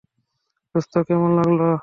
দোস্ত, কেমন লাগলো?